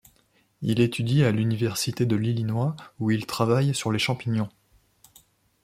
Il étudie à l’université de l’Illinois où il travaille sur les champignons.